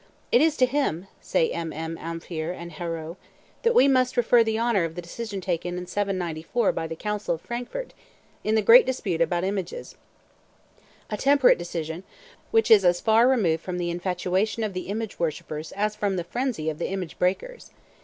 "It is to him," say M.M. Ampere and Haureau, "that we must refer the honor of the decision taken in 794 by the Council of Frankfort in the great dispute about images; a temperate decision which is as far removed from the infatuation of the image worshippers as from the frenzy of the image breakers."